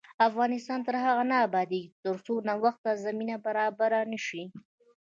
افغانستان تر هغو نه ابادیږي، ترڅو نوښت ته زمینه برابره نشي.